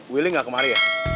willy gak kemarin ya